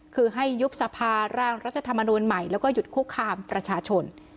คือให้ยุบสภาร่างรัฐธรรมนูลใหม่แล้วก็หยุดคุกคามประชาชน